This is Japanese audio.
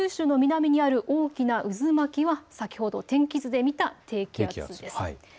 この九州の南にある大きな渦巻きは先ほど天気図で見た低気圧です。